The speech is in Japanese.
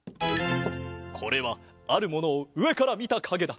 これはあるものをうえからみたかげだ。